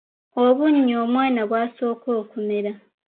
Obunnyo omwana bw’asooka okumera.